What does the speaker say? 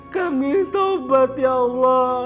kami tobat ya allah